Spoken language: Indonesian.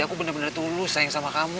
aku benar benar tulus sayang sama kamu